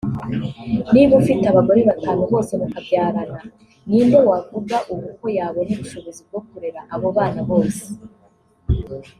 niba ufite abagore batanu bose mukabyarana ni nde wavuga ubu ko yabona ubushobozi bwo kurera abo bana bose